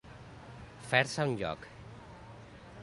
Fer-se un lloc.